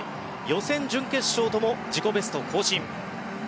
予選、準決勝とも自己ベスト更新。